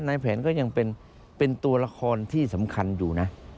ในแผนก็ยังเป็นตัวละครที่สำคัญอยู่นะ